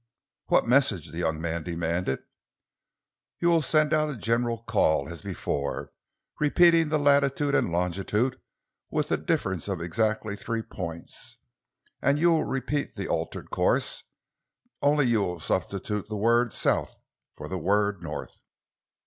"What message?" the young man demanded. "You will send out a general call, as before, repeating the latitude and longitude with a difference of exactly three points, and you will repeat the altered course, only you will substitute the word 'south' for the word 'north.'"